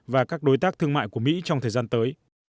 và các đối tác thương mại của mỹ trong thời gian tới